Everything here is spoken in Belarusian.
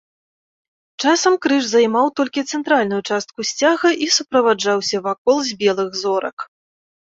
Часам крыж займаў толькі цэнтральную частку сцяга і суправаджаўся вакол з белых зорак.